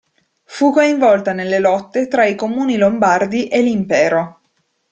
Fu coinvolta nelle lotte tra i comuni lombardi e l'impero.